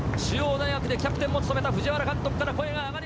中央大学でキャプテンも務めた藤原監督から声が。